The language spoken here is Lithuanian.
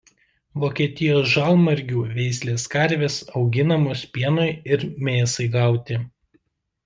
Vokietijos žalmargių veislės karvės auginamos pienui ir mėsai gauti.